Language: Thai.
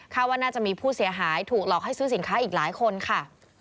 ว่าน่าจะมีผู้เสียหายถูกหลอกให้ซื้อสินค้าอีกหลายคนค่ะ